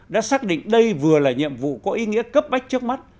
đã xác định đây vừa là nhiệm vụ có ý nghĩa cấp bách trước mắt